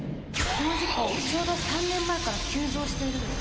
この事故ちょうど３年前から急増しているんです。